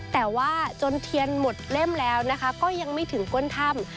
แต่ว่าจนเทียนหมดเล่มแล้วนะคะก็ยังไม่ถึงก้นถ้ำ